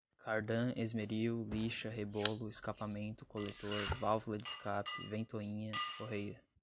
cardã, esmeril, lixa, rebolo, escapamento, coletor, válvula de escape, ventoinha, correia